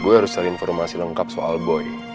gue harus cari informasi lengkap soal boy